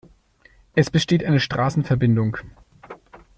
Es besteht eine Straßenverbindung.